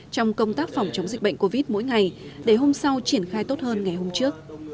trong công tác phòng chống dịch bệnh covid mỗi ngày để hôm sau triển khai tốt hơn ngày hôm trước